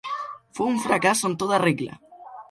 Fue un fracaso en toda regla.